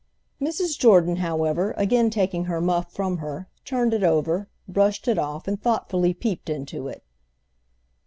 Mrs. Jordan, however, again taking her muff from her, turned it over, brushed it off and thoughtfully peeped into it.